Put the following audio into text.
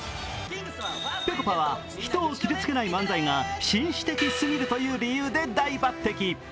ぺこぱは人を傷つけない漫才が紳士的すぎるという理由で大抜てき。